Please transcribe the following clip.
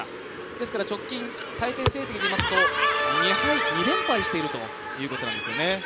ですから直近対戦成績でいいますと２連敗しているということなんですよね。